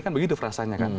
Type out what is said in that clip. kan begitu frasanya kan